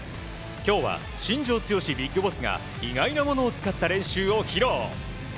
今日は新庄剛志ビッグボスが意外なものを使った練習を披露。